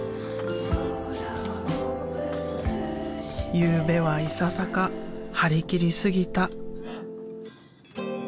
ゆうべはいささか張り切りすぎた。